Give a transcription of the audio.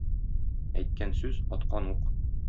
Әйткән сүз - аткан ук.